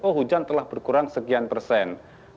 oh hujan telah berkurang sekian persen